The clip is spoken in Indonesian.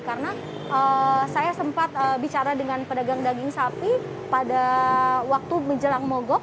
karena saya sempat bicara dengan pedagang daging sapi pada waktu menjelang mogok